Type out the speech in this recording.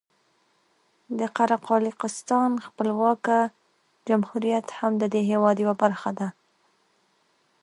د قره قالیاقستان خپلواکه جمهوریت هم د دې هېواد یوه برخه ده.